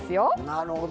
なるほどね。